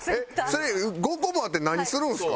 それ５個もあって何するんすか？